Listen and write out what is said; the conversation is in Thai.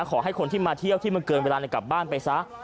ขอให้คนที่มาเที่ยวที่มันเกินเวลากลับบ้านไปซะ